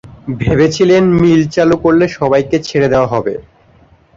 ভেবেছিলেন মিল চালু করলে সবাইকে ছেড়ে দেওয়া হবে।